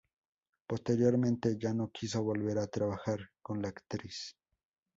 Posteriormente, ya no quiso volver a trabajar con la actriz.